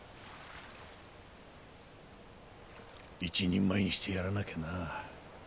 一人前にしてやらなきゃなあ。